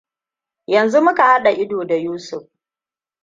Yanzu muka haɗa ido da Yusufn!